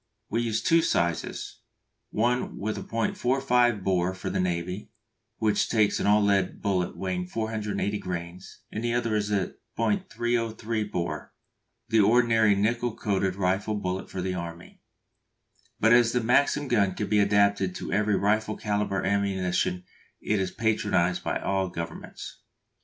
We use two sizes, one with .45 bore for the Navy, which takes an all lead bullet weighing 480 grains, and the other with .303 bore, the ordinary nickel coated rifle bullet for the Army. But as the Maxim gun can be adapted to every rifle calibre ammunition it is patronised by all governments.